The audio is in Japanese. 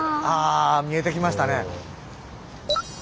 あ見えてきましたね。